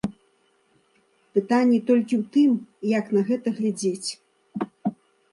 Пытанне толькі ў тым, як на гэта глядзець.